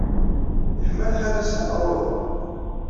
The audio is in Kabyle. Yeḥma lḥal ass-a, neɣ uhu?